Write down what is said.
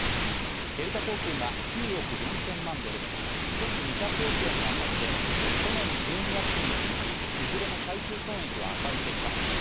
デルタ航空が９億４０００万ドル、１２００億円の赤字で、去年１２月期に続き、いずれも最終損益は赤字でした。